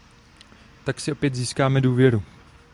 Tak si opět získáme důvěru.